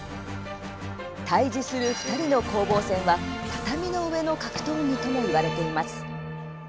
対じする２人の攻防戦は畳の上の格闘技とも言われています。